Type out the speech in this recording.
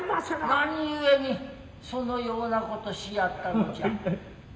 何故にそのようなことしやったのじゃ。